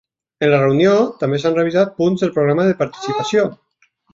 En la reunió també s’han revisat punts del programa de participació.